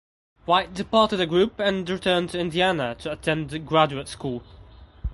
White departed the group and returned to Indiana to attend graduate school.